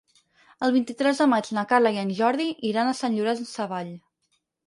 El vint-i-tres de maig na Carla i en Jordi iran a Sant Llorenç Savall.